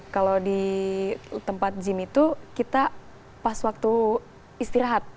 kalau di tempat gym itu kita pas waktu istirahat